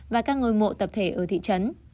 và các ngôi mộ tập thể ở thị trấn